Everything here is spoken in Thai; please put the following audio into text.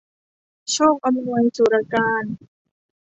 โชคอำนวย สุรการ